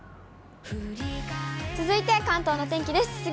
続いて関東の天気です。